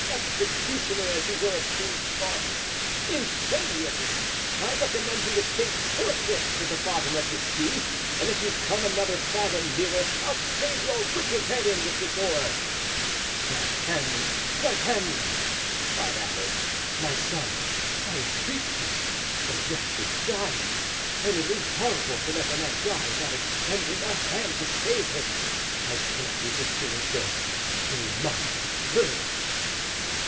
executioner, as you were, of King Charles! incendiary! I recommend you to sink forthwith to the bottom of the sea; and if you come another fathom nearer, I'll stave your wicked head in with this oar." "D'Artagnan! D'Artagnan!" cried Athos, "my son, I entreat you; the wretch is dying, and it is horrible to let a man die without extending a hand to save him. I cannot resist doing so; he must live."